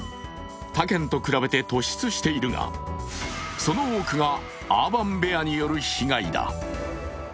他県と比べて突出しているがその多くが、アーバン・ベアによる被害だ。